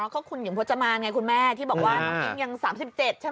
ก็คุณหญิงพจมานไงคุณแม่ที่บอกว่าน้องอิ๊งยัง๓๗ใช่ไหม